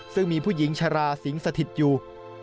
ซึ่งมีผู้หญิงชราสิงสถิตอยู่